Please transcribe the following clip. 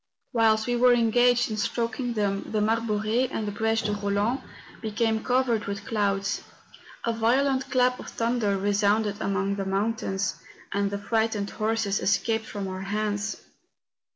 Whilst we were engaged in stroking them the Mar bore and the Breche de Roland became covered with clouds; a violent clap of thunder resounded among the mountains, and the frightened horses escaped from our hands.